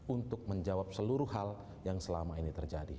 untuk menjawab seluruh hal yang selama ini terjadi